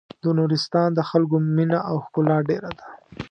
د نورستان د خلکو مينه او ښکلا ډېره ده.